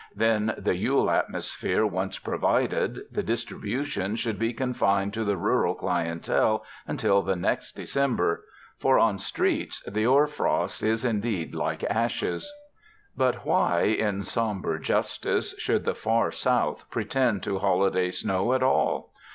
Then, the Yule atmosphere once provided, the distribution should be confined to the rural clientele until the next December, for on streets the hoar frost is indeed like ashes. But why, in somber justice, should the far South pretend to holiday snow at all?